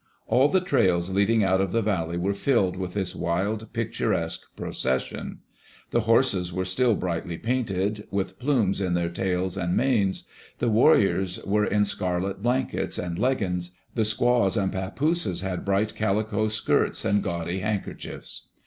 All the trails leading out of the valley were filled with this wild, picturesque procession. ^ I Digitized by VjOOQ LC EARLY DAYS IN OLD OREGON The horses were still brightly painted, with plumes in their tails and manes; the warriors were in scarlet blankets and leggins; the squaws and papooses had bright calico skirts and gaudy handkerchiefs.